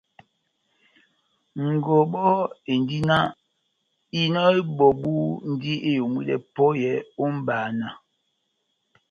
Ngɔbɔ endi náh: Inɔ ebɔbu ndi eyomwidɛ pɔhɛ ó mbana